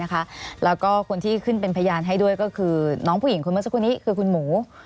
แล้วก็คนที่ขึ้นเป็นพยานให้ด้วยก็คือน้องผู้หญิงคนเมื่อสักครู่นี้คือคุณหมู